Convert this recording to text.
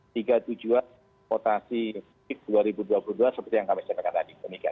tiga tujuan potasi dua ribu dua puluh dua seperti yang kami sampaikan tadi